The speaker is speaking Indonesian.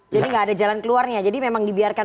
jadi gak ada jalan keluarnya jadi memang dibiarkan